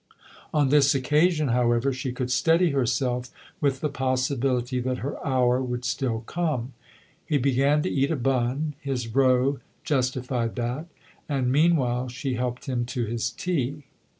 On this occa sion, however, she could steady herself with the possibility that her hour would still come. He began to eat a bun his row justified that ; and meanwhile she helped him to his tea.